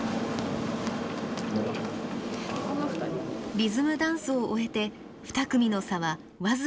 リズムダンスを終えて２組の差は僅か２点。